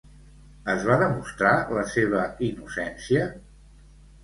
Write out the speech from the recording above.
Es va demostrar la seva innocència?